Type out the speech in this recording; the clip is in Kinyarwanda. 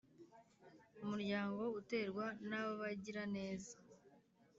Umuryango Uterwa N Abagiraneza